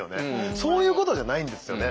そういうことじゃないんですよね。